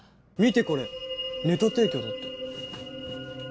見てこれネタ提供だって。